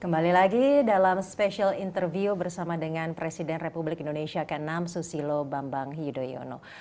kembali lagi dalam spesial interview bersama dengan presiden republik indonesia ke enam susilo bambang yudhoyono